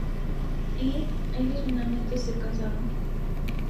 Y, ellos finalmente se casaron.